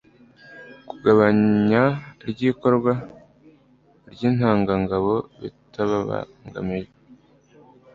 kugabanyary' ikorwa ry'intangangabo bitababangamiye